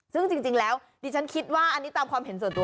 ซึ่งจริงแล้วดิฉันคิดว่าอันนี้ตามความเห็นส่วนตัว